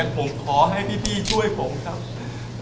ผมขอให้พี่ช่วยผมครับ